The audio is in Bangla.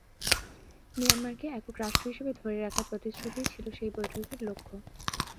মিয়ানমারকে একক রাষ্ট্র হিসেবে ধরে রাখার প্রতিশ্রুতিই ছিল সেই বৈঠকের লক্ষ্য।